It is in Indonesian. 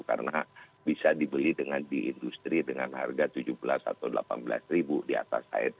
karena bisa dibeli dengan di industri dengan harga tujuh belas atau delapan belas ribu di atas aet